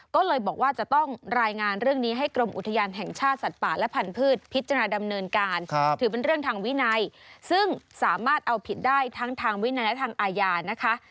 ก็เลยบอกว่าจะต้องรายงานเรื่องนี้ให้กรมอุทยานแห่งชาติสัตว์ป่าและพันธุ์พิจารณาดำเนินการถือเป็นเรื่องทางวินัยซึ่งสามารถเอาผิดได้ทั้งทางวินัยและทางอาญานะคะ